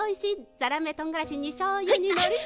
ザラメとんがらしにしょうゆにのりせん。